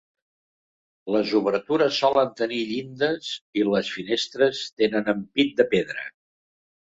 Les obertures solen tenir llindes i les finestres tenen ampit de pedra.